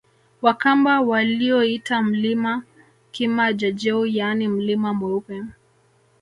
Wakamba walioita mlima Kima jaJeu yaani mlima mweupe